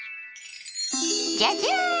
じゃじゃん！